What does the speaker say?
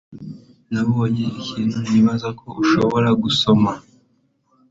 Nabonye ikintu nibaza ko ushobora gusoma.